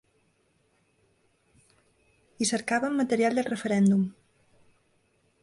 Hi cercaven material del referèndum.